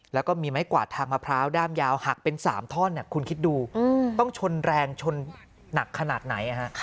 แล้วก็มีไม้กวาดทางมะพร้าวด้ามยาวหักเป็น๓ท่อนคุณคิดดูต้องชนแรงชนหนักขนาดไหน